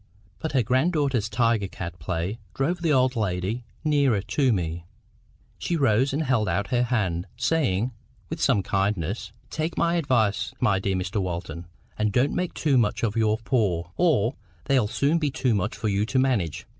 But her grand daughter's tiger cat play drove the old lady nearer to me. She rose and held out her hand, saying, with some kindness— "Take my advice, my dear Mr Walton, and don't make too much of your poor, or they'll soon be too much for you to manage.